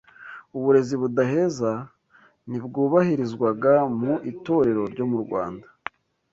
Uburezi budaheza ntibwubahirizwaga mu itorero ryo mu Rwanda